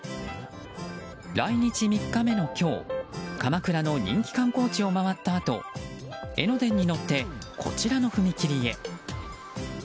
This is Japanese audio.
来日３日目の今日鎌倉の人気観光地を回ったあと江ノ電に乗って、こちらの踏切へ。